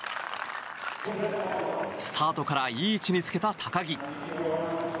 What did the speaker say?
スタートからいい位置につけた高木。